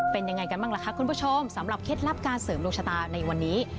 เป็นยังไงกันบ้างล่ะคะคุณผู้ชมสำหรับเคล็ดลับการเสริมดวงชะตาในวันนี้